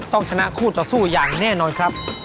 ต้องชนะคู่ต่อสู้อย่างแน่นอนครับ